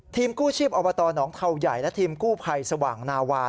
กู้ชีพอบตหนองเทาใหญ่และทีมกู้ภัยสว่างนาวา